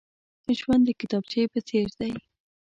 ژوند د کتابچې په څېر دی.